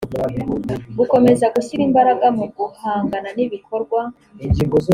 gukomeza gushyira imbaraga mu guhangana n ibikorwa